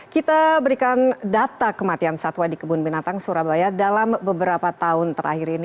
kita berikan data kematian satwa di kebun binatang surabaya dalam beberapa tahun terakhir ini